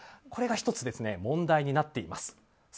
これが１つ問題になっています。